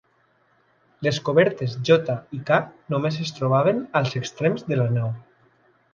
Les cobertes J i K només es trobaven als extrems de la nau.